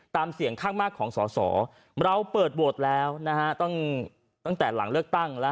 เสียงข้างมากของสอสอเราเปิดโหวตแล้วนะฮะตั้งแต่หลังเลือกตั้งแล้ว